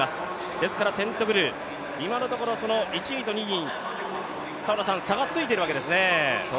ですからテントグル、今のところ、１位と２位の差が着いているんですね。